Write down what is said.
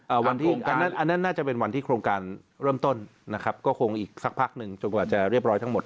วันที่อันนั้นอันนั้นน่าจะเป็นวันที่โครงการเริ่มต้นนะครับก็คงอีกสักพักหนึ่งจนกว่าจะเรียบร้อยทั้งหมด